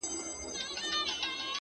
گرانه شاعره لږ څه يخ دى كنه ـ